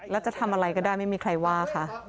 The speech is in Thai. แล้วจะทำอะไรก็ได้ไม่มีใครว่าค่ะ